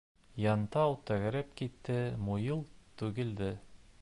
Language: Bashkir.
Янтау тәгәрәп китте, муйыл түгелде.